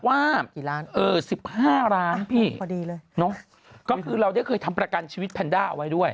ว่า๑๕ล้านพี่เนอะคือเราเนี่ยเคยทำประกันชีวิตแพนด้าเอาไว้ด้วย